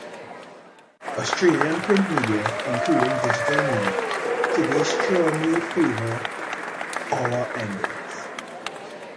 Australian print media, including digital media, today strongly favour "-our" endings.